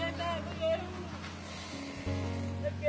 วันที่สุดท้ายเกิดขึ้นเกิดขึ้นเกิดขึ้น